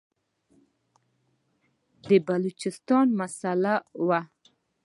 د بلوچستان مسله وه.